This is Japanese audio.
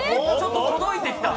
届いてきた。